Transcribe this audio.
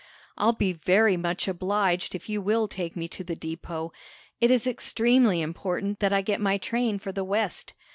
I'll be very much obliged if you will take me to the depot. It is extremely important that I get my train for the West.